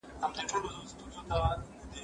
کېدای سي کتابتوني کار ستونزي ولري؟!